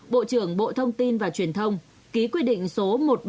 bộ trưởng bộ thông tin và truyền thông ký quy định số một nghìn bảy trăm một mươi tám